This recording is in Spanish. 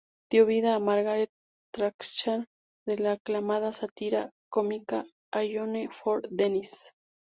Dio vida a Margaret Thatcher de la aclamada sátira cómica "Anyone for Denis?".